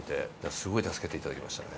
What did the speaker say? すごい助けていただきましたね。